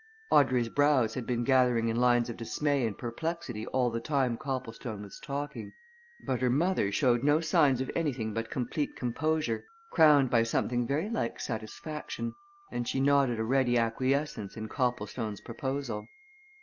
Audrey's brows had been gathering in lines of dismay and perplexity all the time Copplestone was talking, but her mother showed no signs of anything but complete composure, crowned by something very like satisfaction, and she nodded a ready acquiescence in Copplestone's proposal.